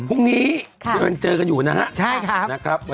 พรุ่งนี้เหมือนกันเจอกันอยู่นะครับ